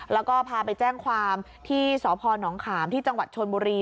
แล้วก็พาไปแจ้งความที่สพนขามที่จังหวัดชนบุรี